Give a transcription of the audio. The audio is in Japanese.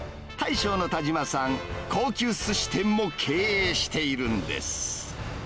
大将の田島さん、高級すし店も経営しているんです。